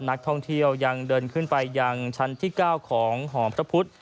นักท่องเที่ยวยังเดินขึ้นไปยังชั้นที่๙ของหอมพระพุทธ